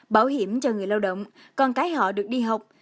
bảo hiểm cho người lao động con cái họ được đi học